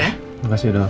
terima kasih dok